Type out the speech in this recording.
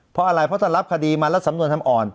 เพราะอะไรเพราะถ้ารับคดีมาแล้วสำนวนทำอ่อน